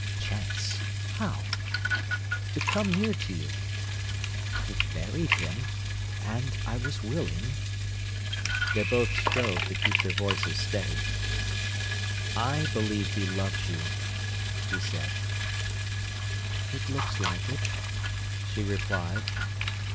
"Chance? How?" "To come near to you." "I married him—and I was willing—" They both strove to keep their voices steady. "I believe he loves you," he said. "It looks like it," she replied.